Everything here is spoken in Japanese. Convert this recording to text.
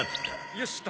よしっと。